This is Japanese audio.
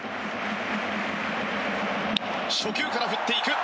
初球から振っていく！